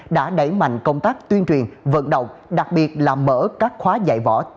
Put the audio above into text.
đã đẩy mạnh công tác tuyên truyền vận động đặc biệt là mở các khóa dạy võ